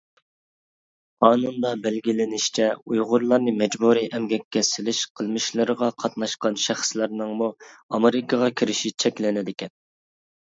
قانۇندا بەلگىلىنىشىچە، ئۇيغۇرلارنى مەجبۇرىي ئەمگەككە سېلىش قىلمىشلىرىغا قاتناشقان شەخسلەرنىڭمۇ ئامېرىكىغا كىرىشى چەكلىنىدىكەن.